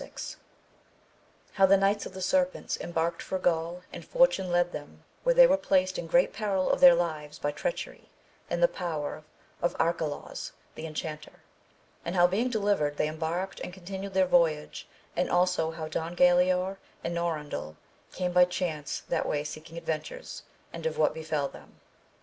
VI.— How the Knights of the Serpents emhsrked for Gaul, and fortune led them where they were placed in great peril of their lives by treachery, in the power of Arcalaus the Enchanter ; and how being delivered they embarked and con tinued their voyage ; and also how Don G alaor and Norandel came by chance that way seeking adventures, and of what befell them.